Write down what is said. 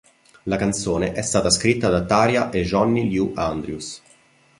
La canzone è stata scritta da Tarja e Johnny Lee Andrews.